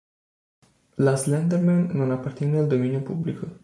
La "Slender Man" non appartiene al dominio pubblico.